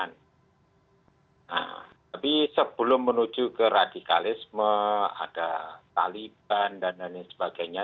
nah tapi sebelum menuju ke radikalisme ada taliban dan lain sebagainya